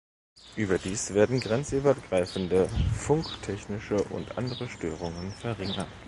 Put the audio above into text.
Überdies werden grenzübergreifende funktechnische und andere Störungen verringert.